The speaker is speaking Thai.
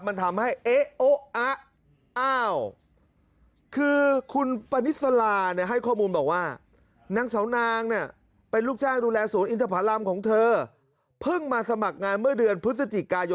มันทำให้เอ๊โอ๊ะอ๊ะอ้าว